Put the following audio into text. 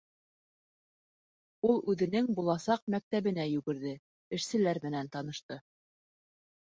Ул үҙенең буласаҡ мәктәбенә йүгерҙе, эшселәр менән танышты.